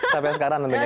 sampai sekarang tentunya